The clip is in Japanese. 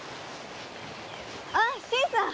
あ新さん！